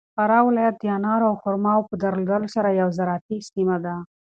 فراه ولایت د انارو او خرماوو په درلودلو سره یو زراعتي سیمه ده.